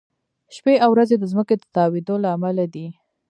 شپې او ورځې د ځمکې د تاوېدو له امله دي.